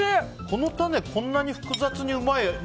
このタネこんなに複雑にうまい。